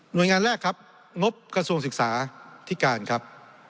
โดยงานแรกครับงบกระทรวงศึกษาที่การครับ